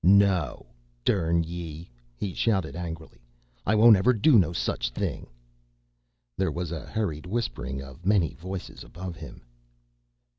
"No, durn ye!" he shouted angrily. "I won't never do no such thing!" There was a hurried whispering of many voices above him.